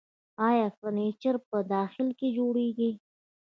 آیا فرنیچر په داخل کې جوړیږي؟